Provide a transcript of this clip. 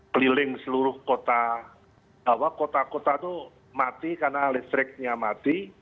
keliling seluruh kota bahwa kota kota itu mati karena listriknya mati